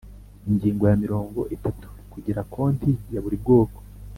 Ingingo ya mirongo itatu Kugira konti ya buri bwoko